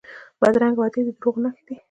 بدرنګه وعدې د دروغو نښه وي